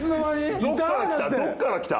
どっからきた？